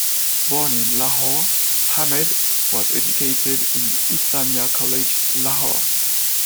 Born in Lahore, Ahmed was educated at Islamia College Lahore.